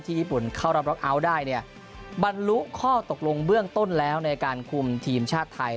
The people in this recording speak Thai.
ญี่ปุ่นเข้ารับล็อกเอาท์ได้เนี่ยบรรลุข้อตกลงเบื้องต้นแล้วในการคุมทีมชาติไทย